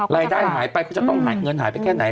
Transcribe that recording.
รายได้หายไปเขาจะต้องเงินหายไปแค่ไหน